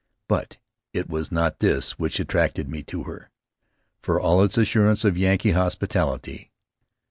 But it was not this which attracted me to her, for all its assurance of Yankee hospitality.